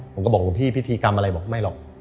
ผมก็บอกหลวงพี่พิธีกรรมอะไรบอกไม่หรอก